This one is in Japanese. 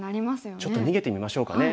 ちょっと逃げてみましょうかね。